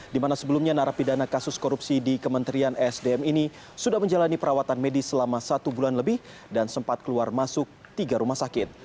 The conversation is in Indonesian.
di mana sebelumnya narapidana kasus korupsi di kementerian esdm ini sudah menjalani perawatan medis selama satu bulan lebih dan sempat keluar masuk tiga rumah sakit